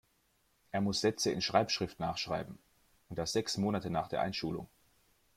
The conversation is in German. Er muss Sätze in Schreibschrift nachschreiben. Und das sechs Monate nach der Einschulung.